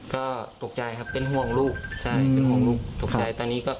ก็ตกใจครับเป็นห่วงลูกใช่เป็นห่วงลูกตกใจตอนนี้ก็